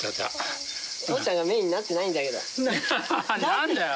何だよ。